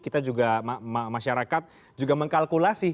kita juga masyarakat juga mengkalkulasi